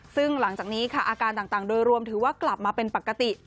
ซึ่งหลังจากนี้ค่ะอาการต่างโดยรวมถือว่ากลับมาเป็นปกติ